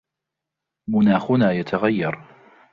مناخنا يتغير.